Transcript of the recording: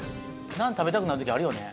ナン食べたくなる時あるよね。